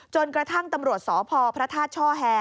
จนกระทั่งตำรวจสพพระธาตุช่อแฮ